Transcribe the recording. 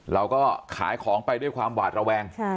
เราก็ขายของไปด้วยความหวาดระแวง